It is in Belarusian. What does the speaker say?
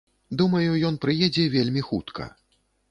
Думаю, ён прыедзе вельмі хутка.